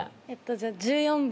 じゃあ１４番。